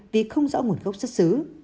vì không rõ nguồn gốc xuất xứ